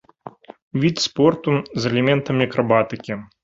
Від спорту з элементамі акрабатыкі.